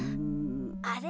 あれ？